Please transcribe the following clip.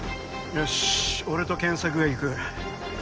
よし俺と賢作が行く。